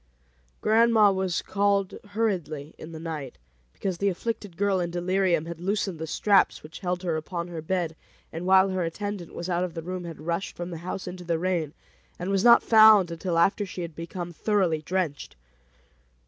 Grandma was called hurriedly in the night, because the afflicted girl, in delirium, had loosened the straps which held her upon her bed, and while her attendant was out of the room had rushed from the house into the rain, and was not found until after she had become thoroughly drenched.